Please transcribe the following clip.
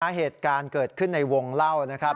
เหตุการณ์เกิดขึ้นในวงเล่านะครับ